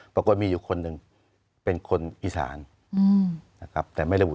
ปรากฏมีอยู่๑คนเป็นคนอีสานแต่ไม่ระบุจังหวัด